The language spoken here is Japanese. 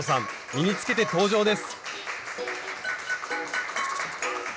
身につけて登場です。